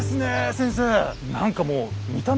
先生。